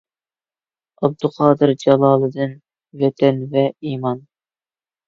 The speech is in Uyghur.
ئابدۇقادىر جالالىدىن: «ۋەتەن ۋە ئىمان»